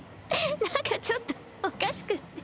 なんかちょっとおかしくって。